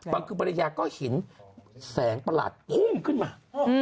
บางคือบริยาก็เห็นแสงประหลาดภูมิขึ้นมา